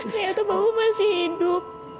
nyata bapak masih hidup